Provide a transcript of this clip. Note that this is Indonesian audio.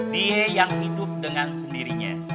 dia yang hidup dengan sendirinya